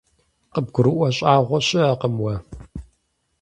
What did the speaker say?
КъыбгурыӀуэ щӀагъуэ щыӀэкъым уэ.